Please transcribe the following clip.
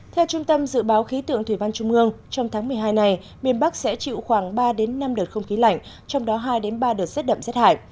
theo trung tâm dự báo khí tượng thủy văn trung ương trong tháng một mươi hai này miền bắc sẽ chịu khoảng ba năm đợt không khí lạnh trong đó hai ba đợt rét đậm rét hại